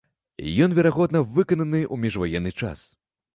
Ён, верагодна, выкананы ў міжваенны час.